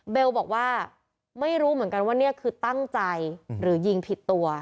บอกว่าไม่รู้เหมือนกันว่าเนี่ยคือตั้งใจหรือยิงผิดตัว